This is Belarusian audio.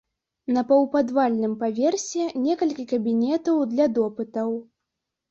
На паўпадвальным паверсе некалькі кабінетаў для допытаў.